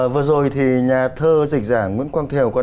vừa rồi thì nhà thơ dịch giảng nguyễn quang thiều